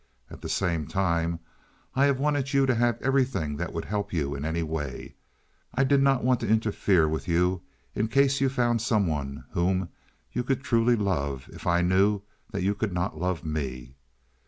At the same time I have wanted you to have everything that would help you in any way. I did not want to interfere with you in case you found some one whom you could truly love if I knew that you could not love me.